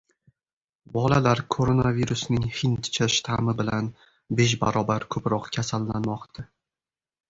Bolalar koronavirusning hindcha shtammi bilan besh barobar ko‘proq kasallanmoqda